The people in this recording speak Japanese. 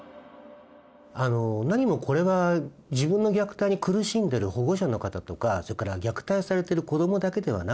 何もこれは自分の虐待に苦しんでる保護者の方とかそれから虐待されてる子どもだけではなくてですね